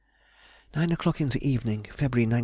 Nine o'clock in the evening (February 19).